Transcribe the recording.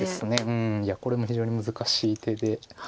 うんいやこれも非常に難しい手で。